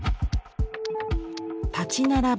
立ち並ぶ